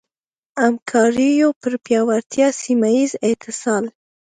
همکاریو پر پیاوړتیا ، سيمهييز اتصال